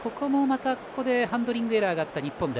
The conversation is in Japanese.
またハンドリングエラーがあった日本。